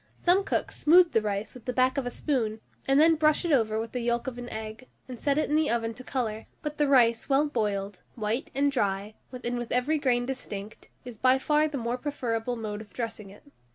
Some cooks smooth the rice with the back of a spoon, and then brush it over with the yolk of an egg, and set it in the oven to colour; but the rice well boiled, white, dry, and with every grain distinct, is by far the more preferable mode of dressing it.